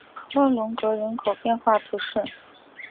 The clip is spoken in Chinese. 科隆格人口变化图示